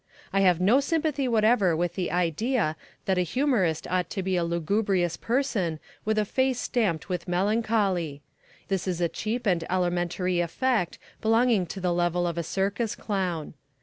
I have no sympathy whatever with the idea that a humourist ought to be a lugubrious person with a face stamped with melancholy. This is a cheap and elementary effect belonging to the level of a circus clown.